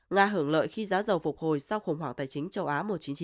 nga hưởng lợi khi giá dầu phục hồi sau khủng hoảng tài chính châu á một nghìn chín trăm chín mươi